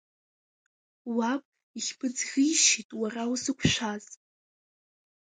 Уаб ихьмыӡӷишьеит уара узықәшәаз.